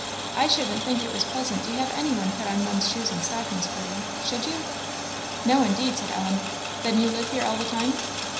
I shouldn't think it was pleasant to have any one put on one's shoes and stockings for you, should you?" "No, indeed," said Ellen. "Then you live here all the time?"